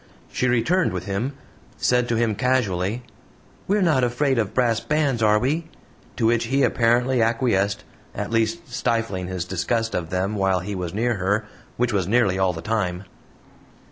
She returned with him; said to him casually: "We're not afraid of brass bands, are we?" to which he apparently acquiesced, at least stifling his disgust of them while he was near her which was nearly all the time.